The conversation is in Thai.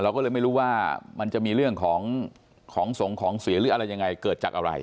ก็เลยไม่รู้ว่ามันจะมีเรื่องของของสงฆ์ของเสียหรืออะไรยังไงเกิดจากอะไร